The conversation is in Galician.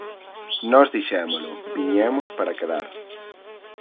Nós dixémolo: viñemos para quedar.